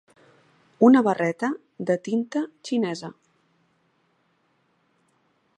Una barreta de tinta xinesa.